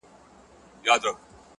خدای زموږ معبود دی او رسول مو دی رهبر”